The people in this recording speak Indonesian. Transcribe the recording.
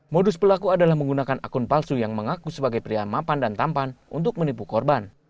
modus pelaku adalah menggunakan akun palsu yang mengaku sebagai pria mapan dan tampan untuk menipu korban